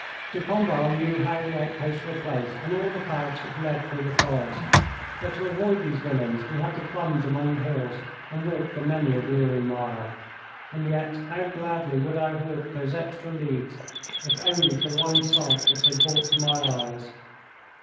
De Pombal knew how the outposts were placed and all the paths which led through the forest. But to avoid these villains we had to plunge among the hills and walk for many a weary mile. And yet how gladly would I have walked those extra leagues if only for one sight which they brought to my eyes!